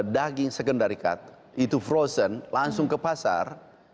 daging segendarikat itu frozen langsung ke pasar